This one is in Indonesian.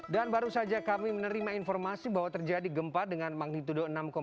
dan baru saja kami menerima informasi bahwa terjadi gempa dengan magnitudo enam tujuh